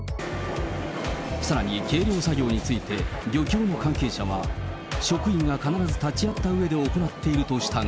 さらに、計量作業について漁協の関係者は、職員が必ず立ち会ったうえで行っているとしたが。